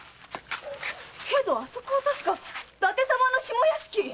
けどあそこは確か伊達様の下屋敷！